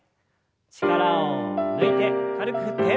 力を抜いて軽く振って。